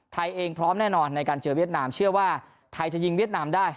ไทยเองพร้อมแน่นอนในการเจอเวียดนามเชื่อว่าไทยจะยิงเวียดนามได้